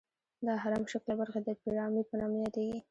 دا هرم شکله برخې د پیرامید په نامه یادیږي.